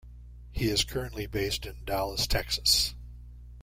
He is currently based in Dallas, Texas.